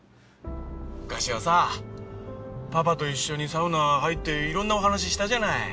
昔はさパパと一緒にサウナ入っていろんなお話ししたじゃない。